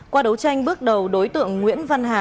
qua đấu tranh bước đầu đối tượng nguyễn văn hà